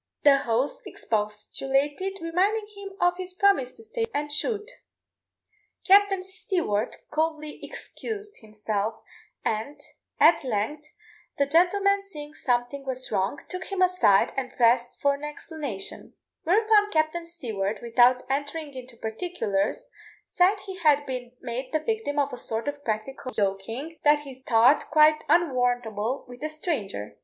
The host expostulated, reminding him of his promise to stay and shoot. Captain Stewart coldly excused himself, and, at length, the gentleman seeing something was wrong, took him aside, and pressed for an explanation; whereupon Captain Stewart, without entering into particulars, said he had been made the victim of a sort of practical joking that he thought quite unwarrantable with a stranger.